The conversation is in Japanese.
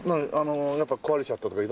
やっぱ壊れちゃったとか色んな事で？